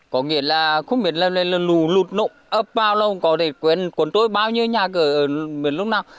có nghĩa là không biết lù lụt lụng ấp bao lâu có thể cuốn trôi bao nhiêu nhà cửa lúc nào